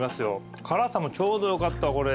辛さもちょうどよかったこれ。